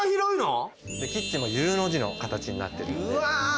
キッチンもＵの字の形になってるので。